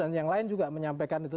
dan yang lain juga menyampaikan itu